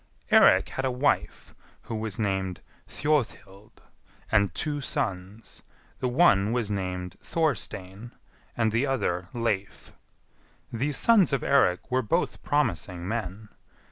4. Eirik had a wife who was named Thjodhild, and two sons; the one was named Thorstein, and the other Leif. These sons of Eirik were both promising men.